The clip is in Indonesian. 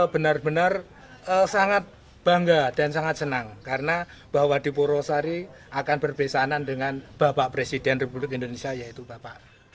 benar benar sangat bangga dan sangat senang karena bahwa di purwosari akan berpesanan dengan bapak presiden republik indonesia yaitu bapak